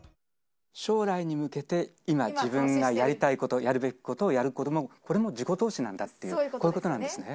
将来に向けて、今、自分がやりたいこと、やるべきことをやること、これも自己投資なんだ、こういうことなんですね。